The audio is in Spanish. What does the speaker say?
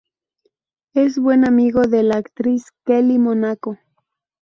Es buen amigo de la actriz Kelly Monaco.